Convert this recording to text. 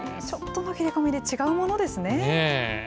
ちょっとの切れ込みで違うものですね。